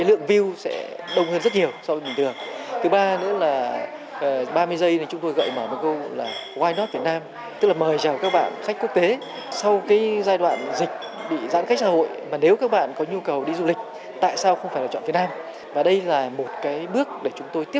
tại sao không phải là chọn việt nam và đây là một bước để chúng tôi tiếp tục coi những kênh chiến dịch để xúc tiến quảng bá giới thiệu hình ảnh du lịch việt nam tới bạn bè và khách du lịch quốc tế